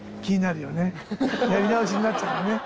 やり直しになっちゃうからね。